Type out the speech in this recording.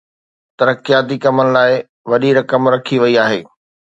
ترقياتي ڪمن لاءِ وڏي رقم رکي وئي آهي